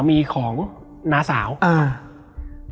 แล้วสักครั้งหนึ่งเขารู้สึกอึดอัดที่หน้าอก